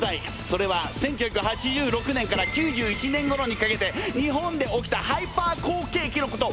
それは１９８６年から９１年ごろにかけて日本で起きたハイパー好景気のこと！